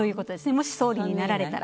もし、総理になられたら。